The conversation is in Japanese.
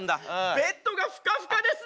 ベッドがふかふかですね。